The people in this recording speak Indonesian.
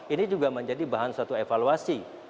ini juga menjadi bahan suatu evaluasi